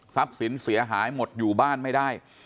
สินเสียหายหมดอยู่บ้านไม่ได้